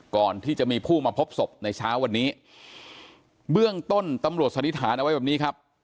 ก่อนที่จะมีผู้มาพบศพในเช้าวันนี้เบื้องต้นตำรวจสันนิษฐานเอาไว้แบบนี้ครับ